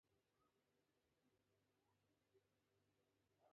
دى درې مياشتې په رواني روغتون کې پروت و.